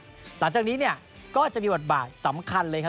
หลังจากนี้ก็จะมีบทบาทสำคัญเลย